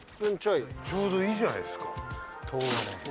ちょうどいいじゃないですか。